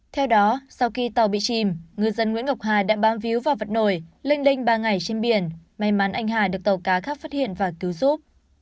theo đó sau khi tàu bị chìm ngư dân nguyễn ngọc hà đã bám víu vào vật nổi linh đinhnh ba ngày trên biển may mắn anh hải được tàu cá khác phát hiện và cứu giúp